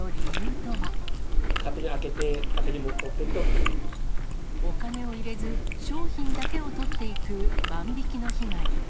勝手に開けて、お金を入れず、商品だけを取っていく万引きの被害。